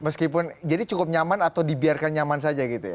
meskipun jadi cukup nyaman atau dibiarkan nyaman saja gitu ya